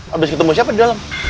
habis ketemu siapa di dalam